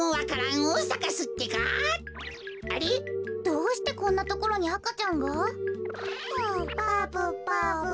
どうしてこんなところにあかちゃんが？ばぶばぶ。